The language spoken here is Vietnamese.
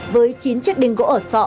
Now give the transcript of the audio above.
với chín chiếc đinh gỗ ở sọ